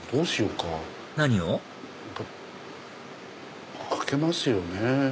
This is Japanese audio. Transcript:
かけますよね。